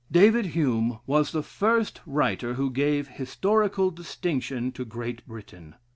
David Hume was the first writer who gave historical distinction to Great Britain.